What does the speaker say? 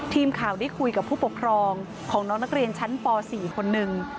ทีมข่าวได้คุยกับผู้ปกครองของน้องนักเรียนชั้นป๔คนหนึ่ง